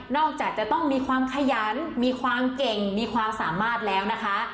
จากจะต้องมีความขยันมีความเก่งมีความสามารถแล้วนะคะ